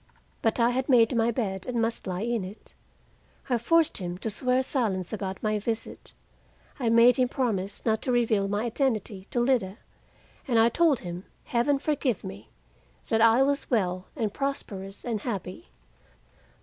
But I had made my bed and must lie in it. I forced him to swear silence about my visit; I made him promise not to reveal my identity to Lida; and I told him Heaven forgive me! that I was well and prosperous and happy.